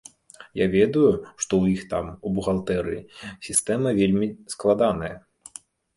Я ведаю, што ў іх там, у бухгалтэрыі, сістэма вельмі складаная.